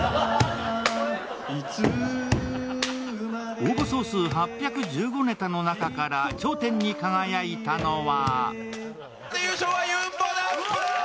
応募総数８１５ネタの中から頂点に輝いたのは？